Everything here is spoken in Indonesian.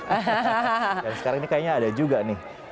dan sekarang ini kayaknya ada juga nih